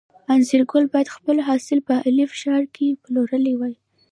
انځرګل باید خپل حاصل په الف ښار کې پلورلی وای.